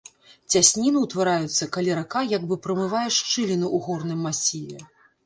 Цясніны ўтвараюцца, калі рака як бы прамывае шчыліну ў горным масіве.